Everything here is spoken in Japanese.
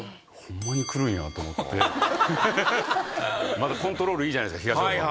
またコントロールいいじゃないですか東尾さん。